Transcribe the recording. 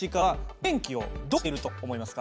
電気をどうしていると思いますか？